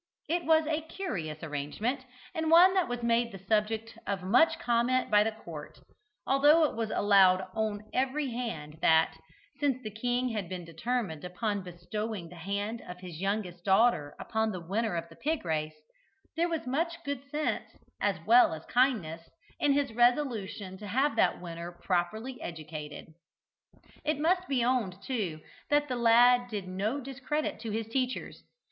It was a curious arrangement, and one that was made the subject of much comment by the court, although it was allowed on every hand that, since the king had determined upon bestowing the hand of his youngest daughter upon the winner of the pig race, there was much good sense, as well as kindness, in his resolution to have that winner properly educated. It must be owned, too, that the lad did no discredit to his teachers.